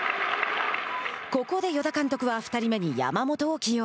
ここで与田監督は２人目に山本を起用。